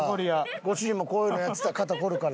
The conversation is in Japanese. ご主人もこういうのやってたら肩凝るから。